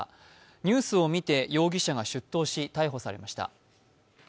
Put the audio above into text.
ニュースを見て、容疑者が出頭し逮捕されました。